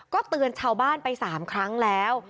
ก็เตือนชาวบ้านไป๓ครั้งแล้ว